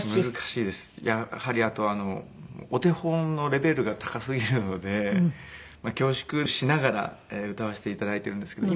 やはりあとお手本のレベルが高すぎるので恐縮しながら歌わせて頂いてるんですけど。